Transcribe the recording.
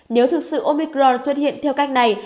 nếu thực sự omicron xuất hiện theo cách này